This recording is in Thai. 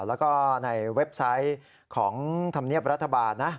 แล้วก็ในเว็บไซต์ของธรรมเนียบรัฐบาลนะ